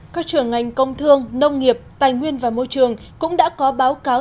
các trưởng ngành công thương nông nghiệp tài nguyên và môi trường cũng đã có báo cáo